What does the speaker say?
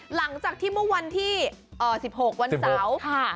หลังจากที่เมื่อวันที่๑๖วันเสาร์